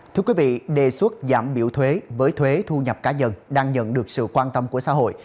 thưa quý vị đề xuất giảm biểu thuế với thuế thu nhập cá nhân đang nhận được sự quan tâm của xã hội